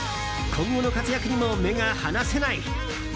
今後の活躍にも目が離せない。